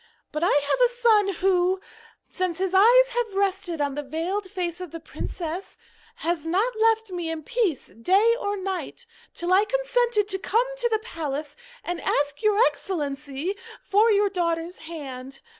But I have a son who, since his eyes have rested on the veiled face of the princess, has not left me in peace day or night till I consented to come to the palace, and to ask your Excellency for your daughter's hand.